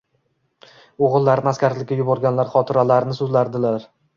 o'g'illarini askarlikka yuborganlar xotiralarini so'zlardilar.